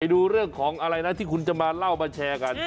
ดูเรื่องของอะไรนะที่คุณจะมาเล่ามาแชร์กัน